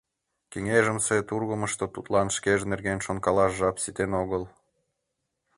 Кеҥежымсе тургымышто тудлан шкеж нерген шонкалаш жап ситен огыл.